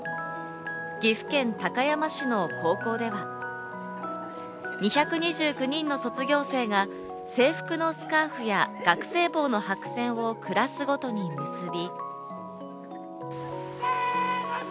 岐阜県高山市の高校では、２２９人の卒業生が制服のスカーフや学生帽の白線をクラスごとに結び。